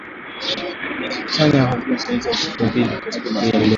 Jaji Ketanji ahojiwa na seneti kwa siku ya pili.